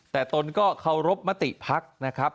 แต่ตนก็เคารพมติภักดิ์นะครับ